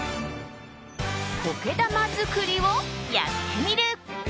苔玉作りをやってみる。